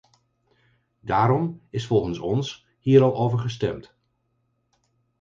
Daarom is volgens ons hier al over gestemd.